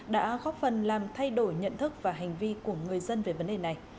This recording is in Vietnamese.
đã góp phần làm thay đổi nhận thức và hành vi của người dân về vấn đề này